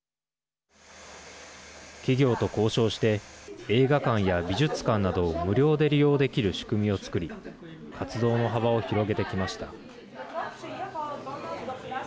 企業と交渉して映画館や美術館などを無料で利用できる仕組みをつくり活動の幅を広げてきました。